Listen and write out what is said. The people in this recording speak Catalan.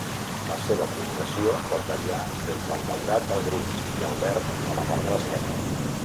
La seva coloració pot variar des del daurat al gris i al verd a la part de l'esquena.